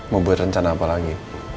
mau buat rencana apa lagi